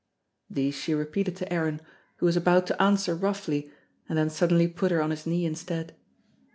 These she repeated to Aaron, who was about to answer roughly, and then suddenly put her on his knee instead.